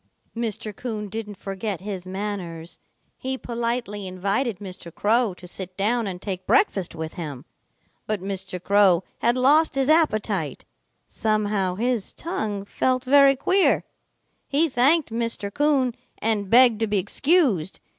Mr. Coon didn't forget his manners. He politely invited Mr. Crow to sit down and take breakfast with him. But Mr. Crow had lost his appetite. Somehow his tongue felt very queer. He thanked Mr. Coon and begged to be excused.